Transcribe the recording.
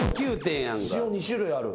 塩２種類ある。